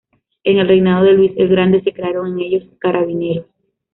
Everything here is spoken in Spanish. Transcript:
En el reinado de Luis el Grande se crearon en ellos Carabineros.